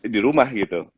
di rumah gitu